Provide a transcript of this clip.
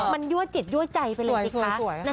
มันยั่วจิตยั่วใจไปเลยสิคะ